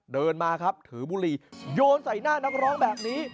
เดินมาครับถือบุหรี่โยนใส่หน้านักร้องแบบนี้